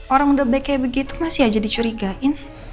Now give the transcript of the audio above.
orang udah back kayak begitu masih aja dicurigain